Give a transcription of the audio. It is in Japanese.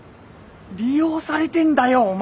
利用されてんだよお前！